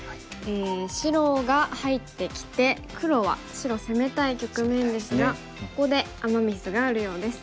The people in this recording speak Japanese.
白が入ってきて黒は白攻めたい局面ですがここでアマ・ミスがあるようです。